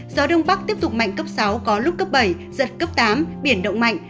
gió đông bắc tiếp tục mạnh cấp sáu có lúc cấp bảy giật cấp tám biển động mạnh